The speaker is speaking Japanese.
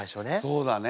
そうだね。